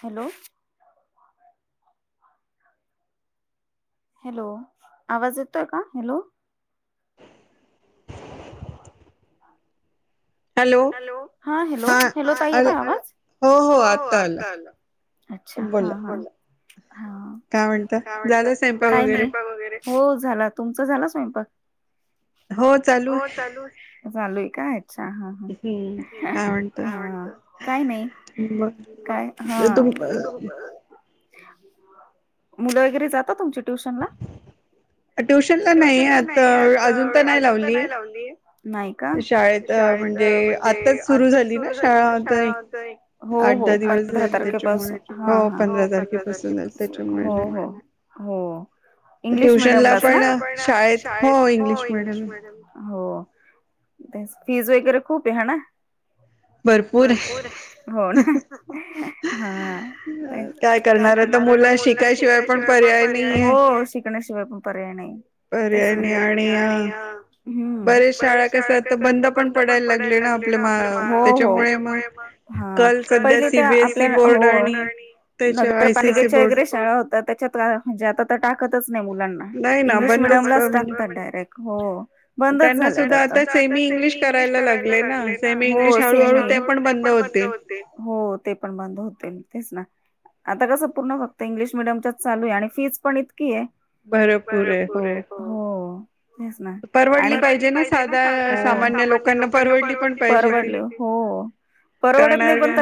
Hello! Hello आवाज येतोय का हॅलो! हॅलो हा हॅलो हॅलो ता येत आवाज? हो हो आता आलं अच्छा हा! हा काय म्हणत वगरे हो झाला तुमच झाला स्वयंपाक? हो चालू चालू आहे का अचछा ह. हम्म काय म्हणत काय नाही काय हा मुलं वगैरे जात तुमच्या ट्युशनला ट्युशनला नाही आता अजून तर नाही लावली शाळेत अ म्हणजे म्हणजे आताच सुरू झाली ना शाळा हो हो पंधरा तारखेपासून ह हो पंधरा तारखेपसून इंग्लिश मिडयमलाच नाण शाळेत हो इंग्लि मिडियम हो ते फीस वगैरे खूप आहे हना भरपूर आहे हो ना हा काय करणार आता मुलाना शिकाशिवाय पण पर्याय शिकण्याशिवाय पण पर्याय नाही आणि बरच शाळा कस बंद पण लाग आपल्या त्यामुळे पहि आपल्या नगरपालिकेच्या वगळ्या शाळा होत्या त्याच्यात म्हणजे आता टाकतच मुलांना इ्लिश मिडयमला टाकतात डायरेक् हो बंदच झालं इंग्िश करायला कराय लाग हळूहळू ते पण बंद होते ते पण बंद होते तेच ना आता कस पूर्ण फक्त इंग्लिश मिडियमच्याच चालू आहे आणि फीज पण क आहे भरपूर आहे ना परवडली पाहिजे ना साध लोकांना परवडली पण पाहिजे त करणार का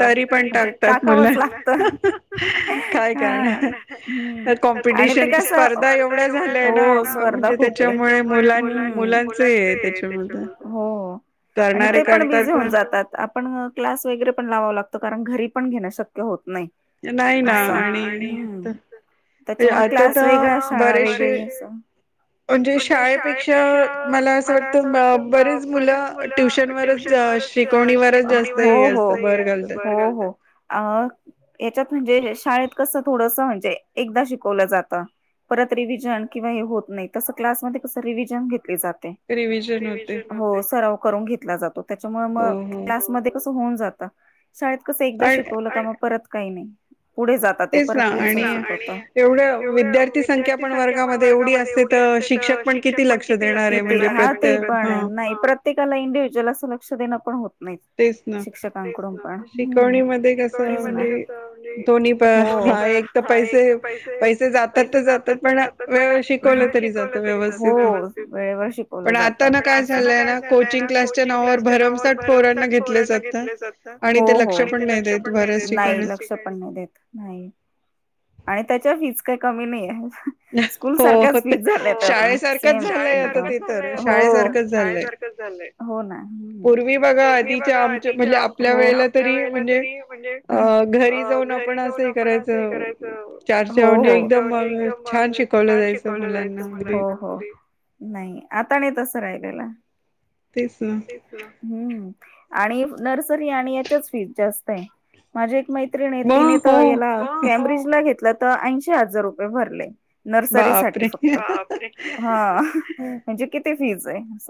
तरी पण टाकतात मुलं काय का [inaudible] टेडिशन स्पर्धा एवढ्या झाल्याय ना म्हणजे त्याच्यामुळे मुलां मुलांच हे ते त्याच्या ममध्ये हो आणि ते पण बिझी होऊन जातात आपण क्लास वगैरे पण लावाव लागतो कारण घरी पण घेण शक्य होत नाही नाही ना आणि आता तर बरेचसे म्हणजे शाळेपेक्षा मला असं वाटतं बरीच मुलं ट्युशन वच शिकवणीवरचत असत ब अ हच्यात म्हणजे शाळेत कसं थोडस म्हणजे एकदा शिकवलं जातं परत रिव्हजन किंवा हे होत नाही तस क्लासमध्ये कस रिव्हजन घेतले जात रिवि्हजन होते हो सराव करून घेतला जातो त्याच्यामुळे मग क्लासमध्ये कस होऊन जात शाळेत कसं एकदा शिकवलं का मग परत काही नाही पुढे जातात ते परत पुढं शिकत एवढ विद्यार्थी संख्या पण वर्गामध्ये एवढी शिक्षक पण किती ते पण नाही प्रत्येकाला इंडिव्हुज्युअल असं लक्ष देण पण होत शिक्षकांकडून पण हा एक तर पैसे पैसे जातात तर जातात पण वे शिकवलं तरी जात हो वे शिकवला जात पण आता काय झालंय ना कोंग क्लासच्या नावा पोरना घेतले जात आणि ते लक्ष पण नाही देत नाही लक्ष पण नाही देत नाही आणि त्याच्या फीज काही कमी नाही आहे स्कूल सारखाच फीस झालाता आप सेम हो शाळेसारखंच चालंय हो ना पूर्वी बघा आधीच्या आमच्या म्हणजे आपल्या वेळेला तरी म्हणजे अ घरी जाव घरी जाऊन आपण अस करायचंणजे एकदम छान शिकव हो हो नाही आ ता य तस राहिले हम् आणि नर्सरी आणि याच्याच फीज् जास्त आहे माझे मैत्रिणी ये तिनी तर याला कॅम्ब्रिज ला घेतलं त ऐंशी हजार रुपये भरले. नर्सरी साठी फक्त बाप रे! हा म्हणजे किती फीज् हाय अस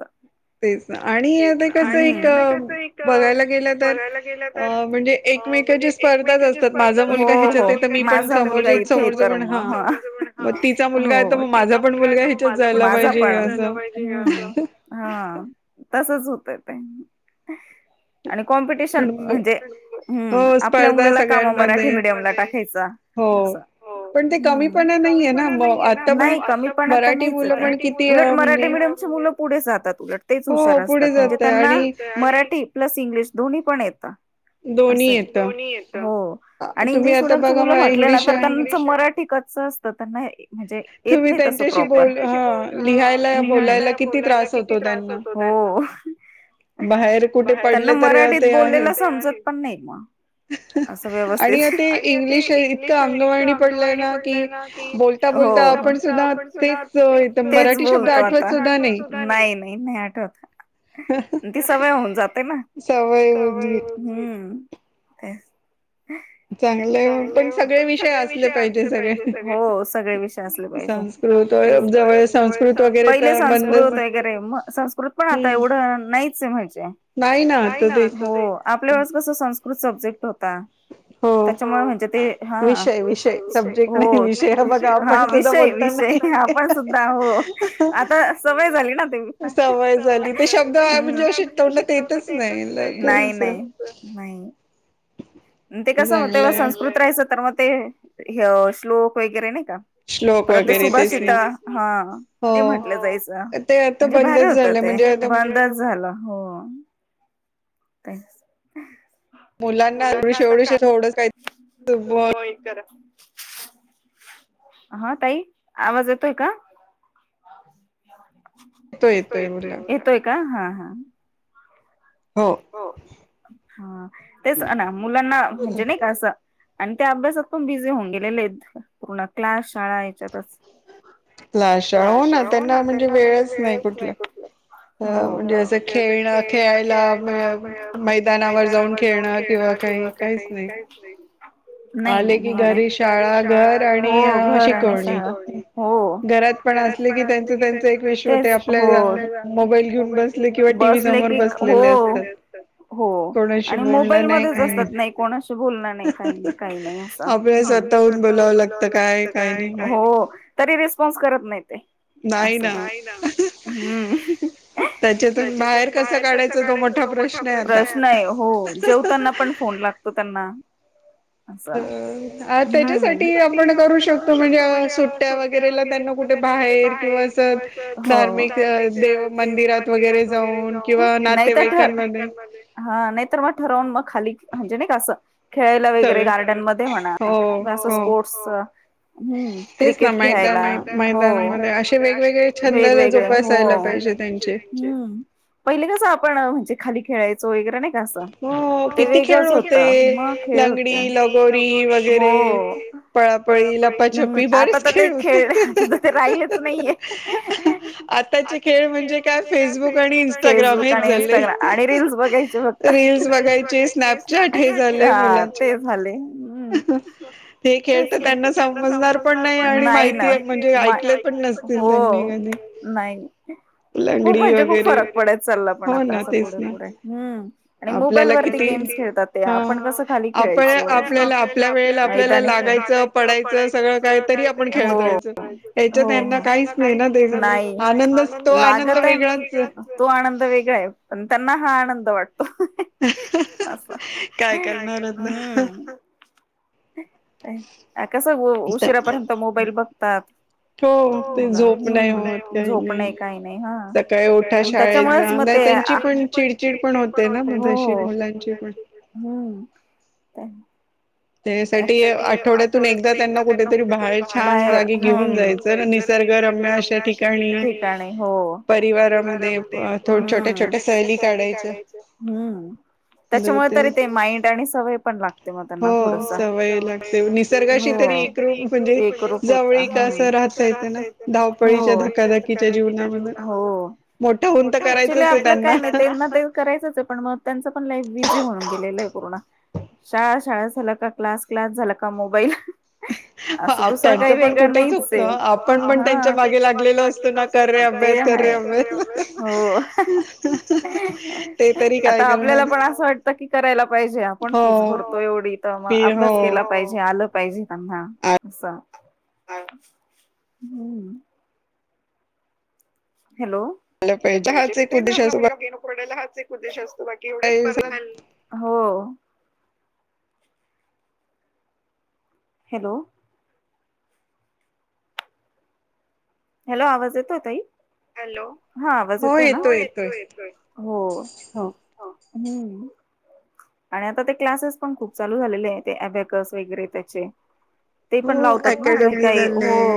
तेच ना आणि ते कसय एक बघायला गेलं तर अ म्हणजे अ म्हणजे एकमेकची स्पर्धा असते हो हो माझा मुलगा इथे तर म हा हो तिचा मुलगा आहे त म माझा पण मुलगा इथंच जायला पाहिजे अस हा तसच होतंय ते आणि कॉम्पिटिशन म्हणजे हम्म आपल्या मुलाला का म मराठी मिडियमला टाकायचा असं हूं पण ते नाहीये ना नाही कमी पण तर नाहीच आत उलट मराठीमिडीयम ची मुलं पुढे जातात उलट तेच हुशार असतात. म्हणजे त्यांना मराठी प्लस इंग्लिश दोन्ही पण येत. असय दोन्ही येत हो आणि इंग्लिश मिडीयम ची मुलं म्हंटली ना तर त्यांच मराठी क कच्च असत त्यांना म्हणजे येत नाहीं तस प्रॉपर [unintelligible] बोलायला किती त्रास होतो हो. त्यांना मराठीत बोललेला समजत पण नाही म असं व्यवस्थित आणि ते इंग्लिश इतकं अमलवाणी पडलंय ना की, हो बोलता बोलता आपण सुद्धा ते तेच बोलतो आता [unintelligible] आठवत सुद्धा नाही. नाही नाही नाही आठवत. ती सवय होऊन जातय ना सवय हम्म तेचं चांगलय हो पण सगळे विषय असले पाहिजे हो सगळे विषय असले पाहिजे. पहिले संस् स्कृत वगैरे म संस्कृत पण आता एवढं नाहीच ये म्हणजे नाही ना हो आपल्यावेळेस कस संस्कृत सब्जेक्ट होता. त्याच्यामुळ म्हणजे ते हा विषय विषय हो हा विषय विषय आपण सुद्धा हो आता सवय झाली ना ते सवय झाली ते शब्द शिकवण्यात येत नाय. [unintelligible] नाही. ते कसं म्हण तेव्हा संस्कृत राहायचं तर म ते हय श्लोक वगैरे नाय परत ते सुभाषिता हा ते म्हटलं जाय म्हणजे भारी होत ते बंद चं झालं. झाला हो ते मुलांना एवढ शेवढी थोडं काही [unintelligible] हा ताई आवाज येतोय का? येतो येतोय येतोय का हा हा हो हा तेच ना मुलांना म्हणजे नाई का असं आणि त्या अभ्यासात पण बिझी होऊन गेलेलेयेत पूर्ण क्लास शाळा याच्यातच लाशा हो ना त्यांना म्हणजे वेळच नाही कुठलं अ म्हणजे असं खेळणं खेळायला मै मैदानावर जाऊन खेळणं किंवा काही काहीच नाही. नाही ना नाही नाही शाळा आली का घर शिकवणी आणि शाळा हो घरात पण असले की त्याच त्याच मोबाईल घेऊन बसले की हो. तेच तर हो आणि मोबाईल मध्येच असतात नाई कोणाशी बोलायचं नाही काय नाय काय नाही असा आपल्याला स्वतःहून बोलाव लागत काय काय नाय तरी रिस्पॉन्स करत नाही ते अस हाय नाही ना त्याच्यातून बाहेर कसं काढाय तो मोठा प्रश्न आहे हो जेवताना पण फोन लागतो त्यांना त्यासाठी आपण करू शकतो. म्हणजे सुट्ट्या वगैरे ला त्यांना कुठ बाहेर किंवा अस धार्मिक अं देव मंदिरात वगैरे जाऊन किंवा नातेवाईक हा नाही तर मग ठरवून मग खाली म्हणजे नाय का अस खेळायला वगैरे गार्डन मध्ये म्हणा किंवा असं स्पोर्ट्स हम्म क्रिकेट खेळायला हो वेगवेगळे हो खेळ खेळायला जाऊ शकतो पहि कस आपण म्हणजे खाली खेळायच पहिले कसे वेगळेच खेळ होते आता वेगळेच खेळ खेळत आहे पळापळी आता तर तेच खेळलं आता तर ते राहिलंच नाहीये आताचे खेळ म्हणजे काय फेसबुक फेसबुक आणि इंस्टाग्राम आणि रीलस बघायचे रीलीलस बघायचे स्नॅपचॅट हे झाले मुलांचे ते खेळ तर त्यांना समजणार पण नाही आणि माहिती म्हणजे ऐकले पण नसतील त्यांनी कधी नाही खूप म्हणजे खूप फरक पडायच चालला पण आता असं पुढे पुढे आणि मोबाईल वरती गेम्स खेळतात ते आपण कस खाली खेळाचो मैदानी गायचं पडायचं सगळं काहीतरी त्यांना काहीच नाही लागत आहे तो आनंद वेगळा आहे पण त्यांना हा आनंद वाटतो असं काय कस उशिरापर्यंत मोबाईल बघतात झोप नाही काही नाही हा त्याच्यामुळे सकाळी लवकर उठत नाही ते आमची पण चिडचिड पण होते ना मुलांची पण होते हे बरोबर आहे त्यासाठी आठवड्यातून एकदा त्यांना कुठेतरी बाहेर घेऊन जायचं निसर्ग रम्य ठिकाणी किंवा आपल्या परिवाराच्या एखाद्या नातेवाईकाच्या ठिकाणी याच्यामुळे त्यांना आणि त्या बाहेरच्या ठिकाणी च्या लक्षात येते किंवा मोबाईल मधला टाईमपास थोडा कमी होतो बाहेर गेले म्हणजे त्यांचे मन थोडसं हलकं होतं मोबाईल मधून ते थोडे बाहेर येतात धकाच्या जीवना ऍक्च्युली आपला काय नाही तेना ते करायचंच आहे पण मग त्यांच पण लाईफ बिझी होऊ शकत पूर्ण शाळा शाळा झालं का क्लास क्लास झाला का मोबाईल असं दुसरा काही वेगळं नाहीच आहे आपण पण त्यांच्या मागे लागलेलो असतो ना का हो आता आपल्याला पण असं वाटत करायला पाहिजे आपण फीस भरतो एवढी तर मग अभ्यास केला पाहिजे आलं पाहिजे त्यांना अस हम् हॅलो कोणाचा आहे एकच उद्देश असतो की आपला विद्यार्थी शिकला पाहिजे किंवा स्पर्धा पास झाला पाहिजे हॅलो हॅलो आवाज येतोय ताई हॅलो हो आवाज येतोय ना हो येतो आणि आता ते क्लासेस पण खूप चालू झालेले आहे ते अबकस वगैरे त्याचे ते पण लावतात ना काही काही हो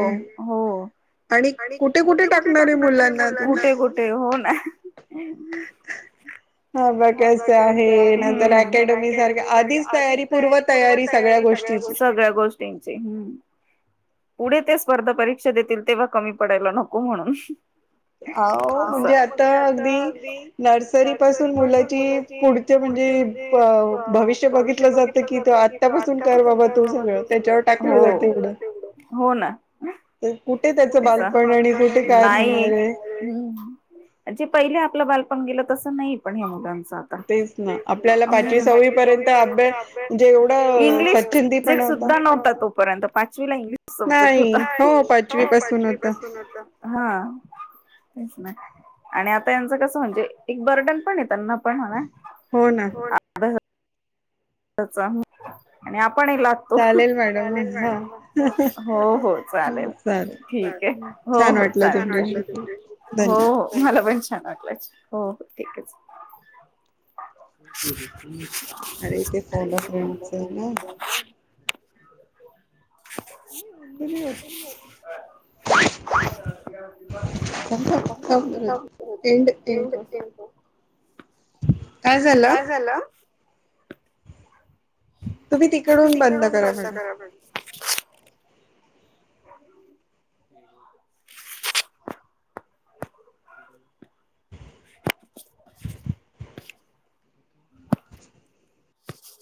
हो आणि कुठे कुठे टाकणारे मुलांना कुठे कुठे हो ना हो ना हा बाकी असं आहे नंतर अकॅडमी सारख्या आधीच तयारी पूर्वतयारी सगळ्या गोष्टी करून घेतात सगळ्या गोष्टींची पुढे ते स्पर्धा परीक्षा देतील तेव्हा कमी पडायला नको म्हणून हो म्हणजे आता अगदी नर्सरी पासून मुलाची पुढच्या म्हणजे भविष्य बघितलं जात की आतापासून कर बाबा तू सगळं त्याच्यावर टाकलं जातं ढ हो ना तर कुठे त्याचं बालपण आणि कुठे काय राहणार आहे हम् जे पहिले आपलं बालपण गेलं तसं नाही पण हे मुलाांच सर् इ द्धा नव्हता तोपर्यंत पाचवी ला इंग्लिश सब्जेक्ट होता हा तेच नाही आणि आता यांच कस म्हणजे एक बर्डन पण य त्यांना पण हो ना हो ना आणि चालेल मॅडम हो हो चालेल ठीक आहे. हो हो चालेल चाल हो हो मला पण... छान वा हो हो ठीकच... अरे ते फोन फ्रेंडस आहे ना... क [unintelligible] एंड तनक काय झालं तुम्ही तिकडून बंद करा बघा...